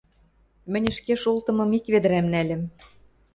Мӹнь ӹшке шолтымым ик ведӹрӓм нӓльӹм...